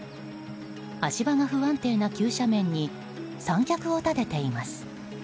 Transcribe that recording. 足場が不安定な急斜面に三脚を立てています。